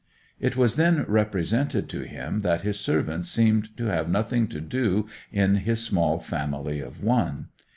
It was then represented to him that his servants seemed to have nothing to do in his small family of one.